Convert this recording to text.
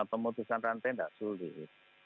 pemutusan rantai tidak sulit